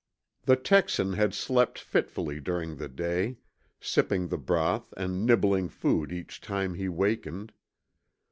The Texan had slept fitfully during the day, sipping the broth and nibbling food each time he wakened.